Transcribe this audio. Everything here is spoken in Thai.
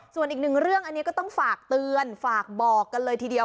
ส่วนอีกหนึ่งเรื่องอันนี้ก็ต้องฝากเตือนฝากบอกกันเลยทีเดียว